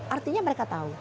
artinya mereka tahu